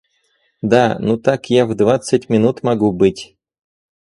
Да, ну так я в двадцать минут могу быть.